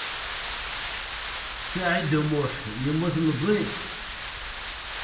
Saɛid U Muḥ yemmut meẓẓi.